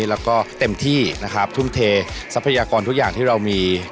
แล้วก็เต็มที่นะครับทุ่มเททรัพยากรทุกอย่างที่เรามี